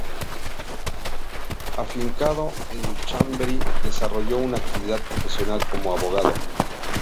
Afincado en Chamberí, desarrolló una actividad profesional como abogado.